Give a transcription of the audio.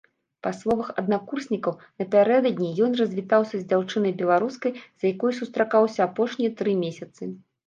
Па словах аднакурснікаў, напярэдадні ён развітаўся з дзяўчынай-беларускай, з якой сустракаўся апошнія тры месяцы.